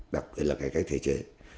đặc biệt là cải cách thể chế